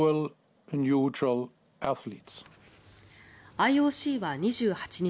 ＩＯＣは２８日